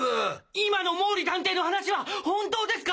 今の毛利探偵の話は本当ですか？